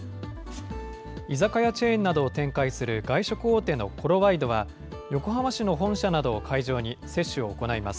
居酒屋チェーンなどを展開する外食大手のコロワイドは横浜市の本社などを会場に、接種を行います。